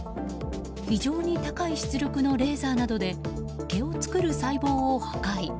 非常に高い出力のレーザーなどで毛を作る細胞を破壊。